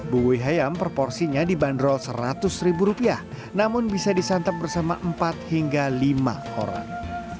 bubui ayam proporsinya dibanderol seratus ribu rupiah namun bisa disantap bersama empat hingga lima orang